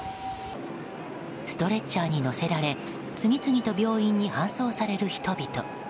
ストレッチャーに乗せられ次々と病院に搬送される人々。